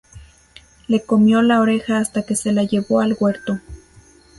Le comió la oreja hasta que se la llevó al huerto